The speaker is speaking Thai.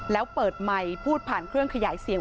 แล้วเปิดไมค์พูดผ่านเครื่องขยายเสียง